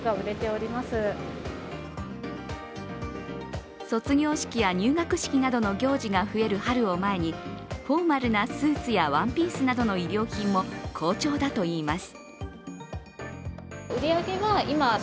更に卒業式や入学式などの行事が増える春を前にフォーマルなスーツやワンピースなどの衣料品も好調だといいます。